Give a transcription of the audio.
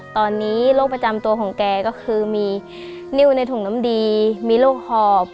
ตอนนี้โรคประจำตัวของแกก็คือมีนิ้วในถุงน้ำดีมีโรคหอบ